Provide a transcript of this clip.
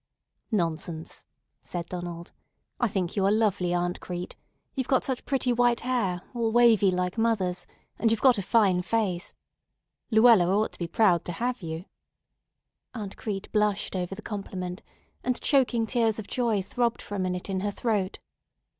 "Nonsense," said Donald. "I think you are lovely, Aunt Crete. You've got such pretty white hair, all wavy like mother's; and you've got a fine face. Luella ought to be proud to have you." Aunt Crete blushed over the compliment, and choking tears of joy throbbed for a minute in her throat.